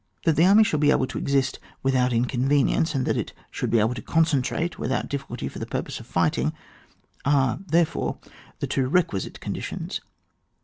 That the army shall be able to exist without inconvenience, and that it shall be able to concentrate without difficulty for the purpose of fighting, are, therefore, the two requisite con ditions.